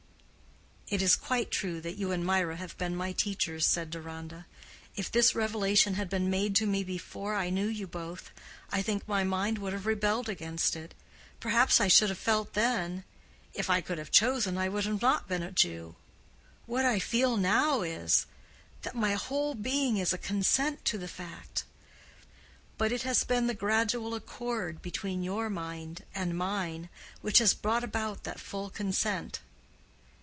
'" "It is quite true that you and Mirah have been my teachers," said Deronda. "If this revelation had been made to me before I knew you both, I think my mind would have rebelled against it. Perhaps I should have felt then—'If I could have chosen, I would not have been a Jew.' What I feel now is—that my whole being is a consent to the fact. But it has been the gradual accord between your mind and mine which has brought about that full consent."